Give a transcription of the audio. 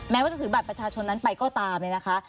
แม้ว่าจะถือบัตรประชาชนนั้นไปก็ตามนะคะ